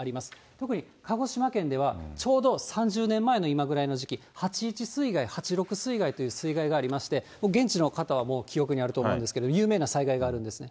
特に、鹿児島県ではちょうど３０年前の今ぐらいの時期、８・１水害、８・６水害というのがありまして、現地の方はもう、記憶にあると思うんですけれども、有名な災害があるんですね。